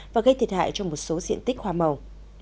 và gây thiệt hại trong một số diện tích hòa màu